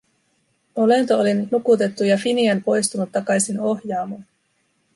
Olento oli nyt nukutettu ja Finian poistunut takaisin ohjaamoon.